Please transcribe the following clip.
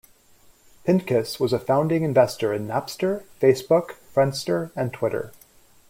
Pincus was a founding investor in Napster, Facebook, Friendster, and Twitter.